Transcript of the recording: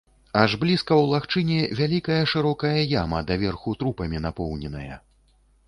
Аж блізка ў лагчыне вялікая шырокая яма, даверху трупамі напоўненая.